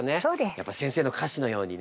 やっぱ先生の歌詞のようにね。